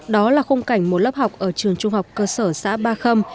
đó là khung cảnh một lớp học ở trường trung học cơ sở xã ba khâm